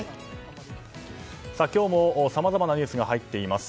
今日もさまざまなニュースが入っています。